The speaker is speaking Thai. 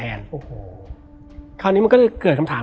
แล้วสักครั้งหนึ่งเขารู้สึกอึดอัดที่หน้าอก